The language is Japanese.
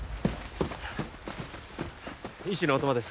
医師の音羽です